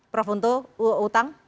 prof untuk utang